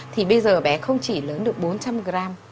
thì bây giờ bé không chỉ lớn được bốn trăm linh gram